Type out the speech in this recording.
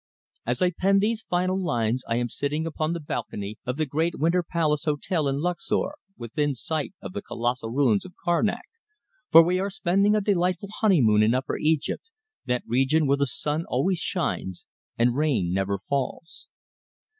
As I pen these final lines I am sitting upon the balcony of the great Winter Palace Hotel, in Luxor, within sight of the colossal ruins of Karnak, for we are spending a delightful honeymoon in Upper Egypt, that region where the sun always shines and rain never falls.